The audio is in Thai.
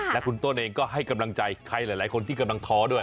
และคุณต้นเองก็ให้กำลังใจใครหลายคนที่กำลังท้อด้วย